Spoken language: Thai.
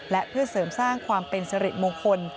และเพื่อเสริมสร้างความเป็นสิริมงคล